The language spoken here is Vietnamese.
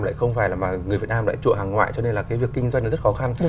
lại không phải là người việt nam lại trụ hàng ngoại cho nên là cái việc kinh doanh rất khó khăn